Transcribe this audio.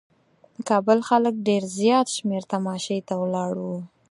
د کابل خلک ډېر زیات شمېر تماشې ته ولاړ وو.